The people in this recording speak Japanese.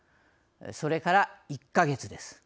それから１か月です。